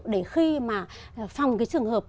để khi mà phòng trường hợp